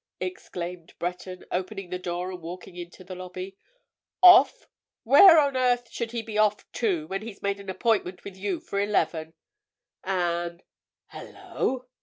exclaimed Breton, opening the door and walking into the lobby. "Off! Where on earth should he be off to, when he's made an appointment with you for eleven, and—Hullo!"